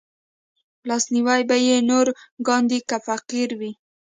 لاسنيوی به يې نور کاندي که فقير وي